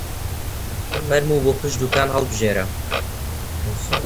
فەرموو بۆ پشت دووکان هەڵبژێرە!